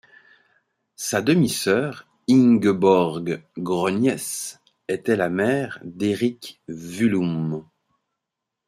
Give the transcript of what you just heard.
Sa demi-sœur Ingeborg Krogness était la mère d'Erik Vullum.